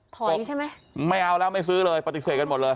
ใช่ไหมไม่เอาแล้วไม่ซื้อเลยปฏิเสธกันหมดเลย